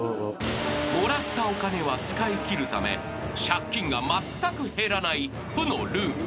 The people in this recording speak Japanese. ［もらったお金は使いきるため借金がまったく減らない負のループ］